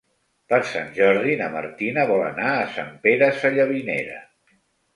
Per Sant Jordi na Martina vol anar a Sant Pere Sallavinera.